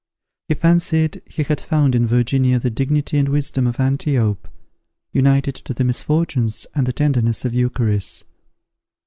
He fancied he had found in Virginia the dignity and wisdom of Antiope, united to the misfortunes and the tenderness of Eucharis.